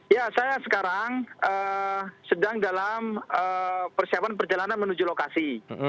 ya saya sekarang sedang dalam persiapan perjalanan menuju lokasi